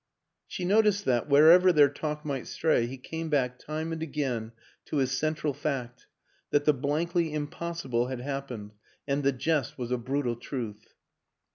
" She noticed that, wherever their talk might stray, he came back, time and again, to his central fact that the blankly impossible had happened and the jest was a brutal truth.